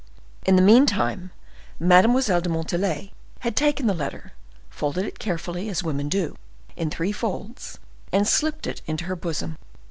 In the meantime, Mademoiselle de Montalais had taken the letter, folded it carefully, as women do, in three folds, and slipped it into her bosom.